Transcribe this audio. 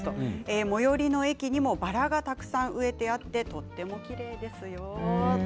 最寄りの駅にもバラがたくさん植えてあってとてもきれいです。